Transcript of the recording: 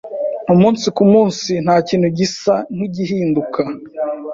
Umunsi kumunsi ntakintu gisa nkigihinduka